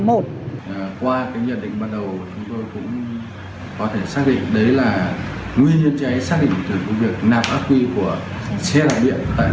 qua cái nhận định bắt đầu chúng tôi cũng có thể xác định đấy là nguy hiểm cháy xác định từ việc nạp áp quy của xe đạp điện